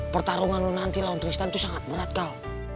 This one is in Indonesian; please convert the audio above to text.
pertarungan lu nanti lawan tristan itu sangat berat kal